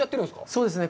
そうですね。